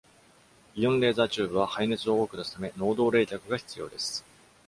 イオン・レーザー・チューブは廃熱を多く出すため、能動冷却が必要です。